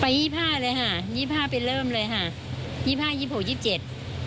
ไปยี่สิบห้าเลยฮะยี่สิบห้าเป็นเริ่มเลยฮะยี่สิบห้ายี่สิบหกยี่สิบเจ็ด